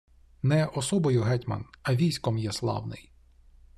Не особою гетьман, а військом є славний